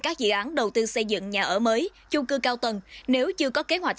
các dự án đầu tư xây dựng nhà ở mới chung cư cao tầng nếu chưa có kế hoạch